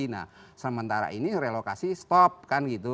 nah sementara ini relokasi stop kan gitu